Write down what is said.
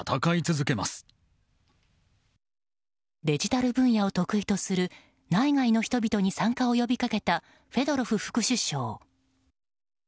デジタル分野を得意とする内外の人々に参加を呼びかけたフェドロフ副首相。